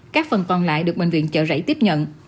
các phần còn lại được bệnh viện chợ rẫy tiếp nhận